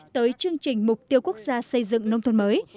tới chương trình mục tiêu quốc gia xây dựng nông thôn mới